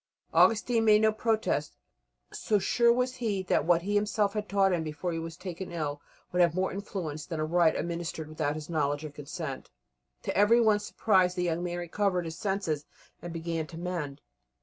Augustine made no protest, so sure was he that what he himself had taught him before he was taken ill would have more influence than a rite administered without his knowledge or consent. To everybody's surprise the young man recovered his senses and began to mend.